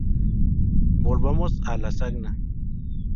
Volvamos a Lasagna.